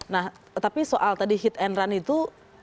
nah tapi soal tadi hit and run itu